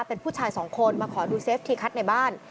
เป็นผู้ชายสองคนมาขอดูเซฟทีคัทในบ้าน